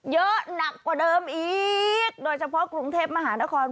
เยอะหนักกว่าเดิมอีกโดยเฉพาะกรุงเทพมหานคร